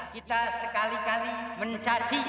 kita sekali kali mencaci